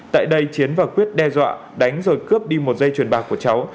tại đây chiến và quyết đe dọa đánh rồi cướp đi một dây chuyền bạc của cháu